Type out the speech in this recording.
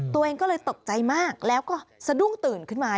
ตัวเองก็เลยตกใจมากแล้วก็สะดุ้งตื่นขึ้นมา